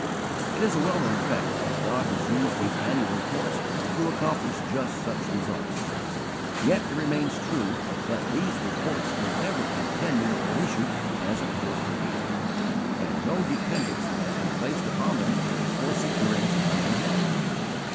It is a well known fact that God has used these annual reports to accomplish just such results. Yet it remains true that these reports were never intended or issued as appeals for aid, and no dependence has been placed upon them for securing timely help.